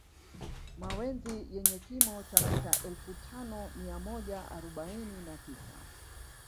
Mawenzi yenye kimo cha mita elfu tano mia moja arobaini na tisa